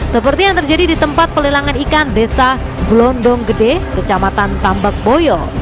seperti yang terjadi di tempat pelelangan ikan desa glondong gede kecamatan tambak boyo